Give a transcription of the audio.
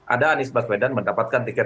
ada anies baswedan mendapatkan tiket